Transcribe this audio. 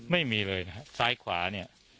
ไม่มีเลยนะฮะซ้ายขวาเนี่ย